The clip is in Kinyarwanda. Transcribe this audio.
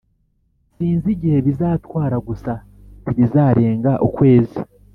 sinzi igihe bizatwara gusa ntibizarenga ukwezi